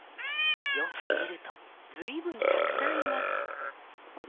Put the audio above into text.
よく見ると随分たくさんいます。